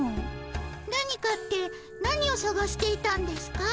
何かって何をさがしていたんですか？